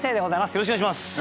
よろしくお願いします。